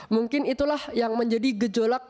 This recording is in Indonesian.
mungkin itulah yang menjadi gejolak